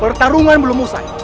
pertarungan belum selesai